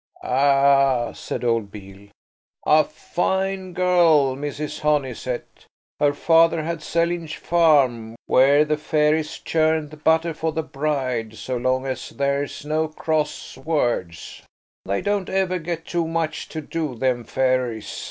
"Ah," said old Beale, "a fine girl, Mrs. Honeysett. Her father had Sellinge Farm, where the fairies churn the butter for the bride so long as there's no cross words. They don't ever get too much to do, them fairies."